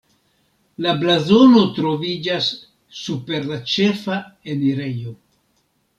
La blazono troviĝas super la ĉefa enirejo.